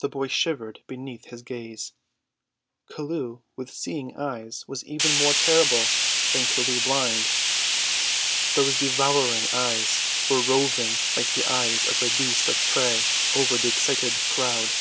The boy shivered beneath his gaze. Chelluh with seeing eyes was even more terrible than Chelluh blind. Those devouring eyes were roving like the eyes of a beast of prey over the excited crowd.